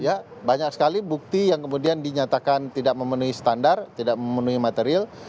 ya banyak sekali bukti yang kemudian dinyatakan tidak memenuhi standar tidak memenuhi material